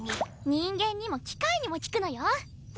人間にも機械にも効くのよ。